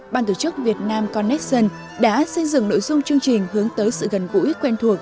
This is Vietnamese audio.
ban tổ chức việt nam connesson đã xây dựng nội dung chương trình hướng tới sự gần gũi quen thuộc